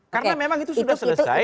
karena memang itu sudah selesai